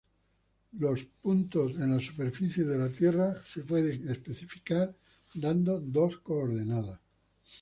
Los puntos en la superficie de la Tierra se pueden especificar dando dos coordenadas.